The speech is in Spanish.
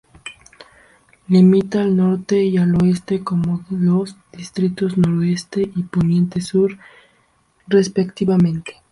Limita al norte y al oeste con los distritos Noroeste y Poniente-Sur respectivamente.